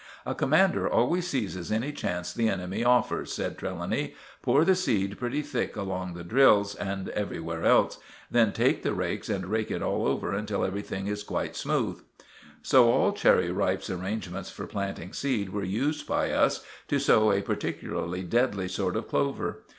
"A commander always seizes any chance the enemy offer," said Trelawny. "Pour the seed pretty thick along the drills and everywhere else, then take the rakes and rake it all over until everything is quite smooth!" So all Cherry Ripe's arrangements for planting seed were used by us to sow a particularly deadly sort of clover.